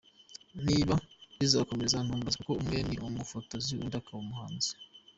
niba rizakomeza ntumbaze kuko umwe ni umufotozi undi akaba umuhanzi.